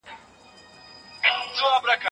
قرانکریم زموږ لارښود کتاب دی.